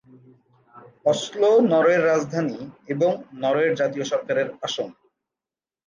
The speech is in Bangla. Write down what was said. অসলো নরওয়ের রাজধানী এবং নরওয়ের জাতীয় সরকারের আসন।